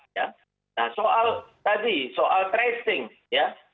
nah soal tadi soal tracing ya